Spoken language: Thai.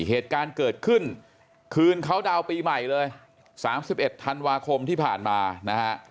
เหตุการณ์เกิดขึ้นคืนเขาดาวน์ปีใหม่เลย๓๑ธันวาคมที่ผ่านมานะฮะ